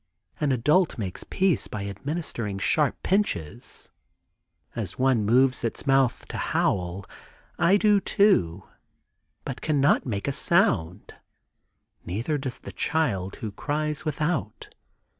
An adult makes peace by administering sharp pinches. As one moves its mouth to howl, I do too, but cannot make a sound; neither does the child who cries without.